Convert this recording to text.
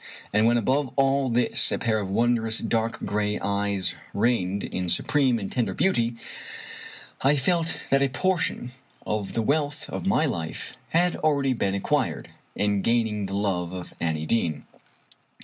and when, above all this, a pair of wondrous dark gray eyes reigned in supreme and tender beauty, I felt that a portion of the wealth of my life had already been acquired, in gaining the love of Annie Deane.